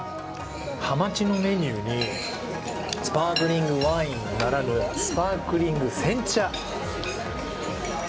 はまちのメニューにスパークリングワイン、ならぬスパークリングせん茶。